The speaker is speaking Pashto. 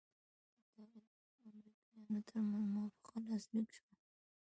د طالبانو او امریکایانو ترمنځ موافقه لاسلیک سوه.